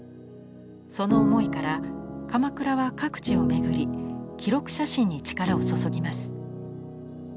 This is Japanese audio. その思いから鎌倉は各地を巡り記録写真に力を注ぎます。